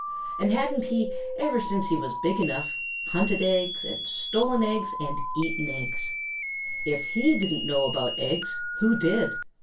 And hadn't he, ever since he was big enough, hunted eggs and stolen eggs and eaten eggs? If he didn't know about eggs, who did?